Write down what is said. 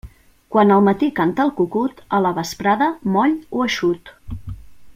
Quan al matí canta el cucut, a la vesprada moll o eixut.